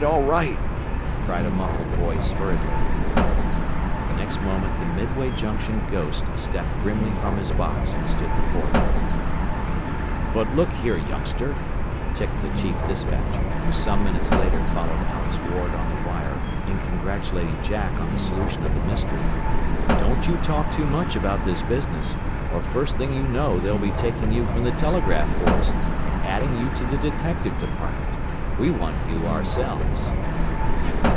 All right!" cried a muffled voice hurriedly. The next moment the Midway Junction "ghost" stepped grimly from his box, and stood before them. "But look here, youngster," ticked the chief despatcher, who some minutes later followed Alex Ward on the wire in congratulating Jack on the solution of the mystery, "don't you talk too much about this business, or first thing you know they'll be taking you from the telegraph force, and adding you to the detective department. We want you ourselves."